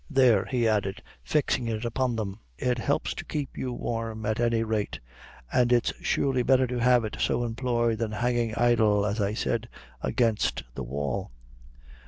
There," he added, fixing it upon them; "it helps to keep you warm at any rate; an' it's surely betther to have it so employed than hangin' idle, as I said, against the wall."